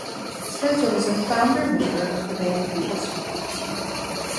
Spencer was a founder member of the band PeopleSpeak.